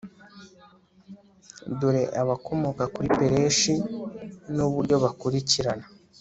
dore abakomoka kuri pereshi, n'uburyo bakurikirana